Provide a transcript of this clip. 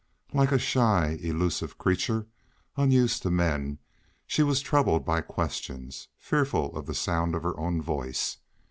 Like a shy, illusive creature, unused to men, she was troubled by questions, fearful of the sound of her own voice.